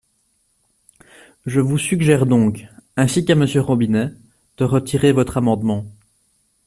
Je vous suggère donc, ainsi qu’à Monsieur Robinet, de retirer votre amendement.